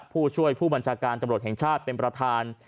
ผู้ช่วยผู้บัญชาการตำรวจแห่งชาติเป็นประธาน